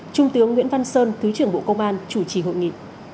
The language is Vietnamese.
trung tướng nguyễn văn sơn thứ trưởng bộ công an chủ trì hội nghị